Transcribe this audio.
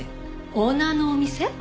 オーナーのお店？